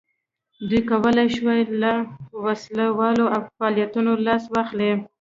دوی کولای شوای له وسله والو فعالیتونو لاس واخلي.